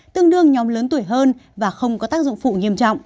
tương đương nhóm lớn tuổi hơn và không có tác dụng phụ nghiêm trọng